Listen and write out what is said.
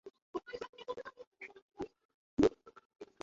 মসজিদটি নাইখাইন-গৈড়লার কেন্দ্রে অবস্থিত।